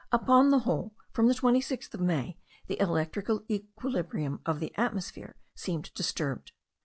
Upon the whole, from the 26th of May, the electrical equilibrium of the atmosphere seemed disturbed.